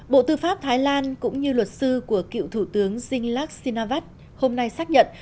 bộ tư pháp thái lan cũng như luật sư của cựu thủ tướng zinglax sinavat hôm nay xác nhận